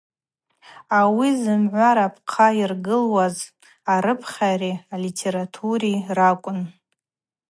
Ауи зымгӏва рапхъа йыргылуаз арыпхьари алитератури ракӏвын.